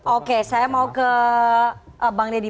oke saya mau ke bang deddy